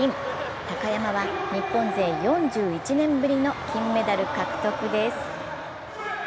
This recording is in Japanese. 高山は日本勢４１年ぶりの金メダル獲得です。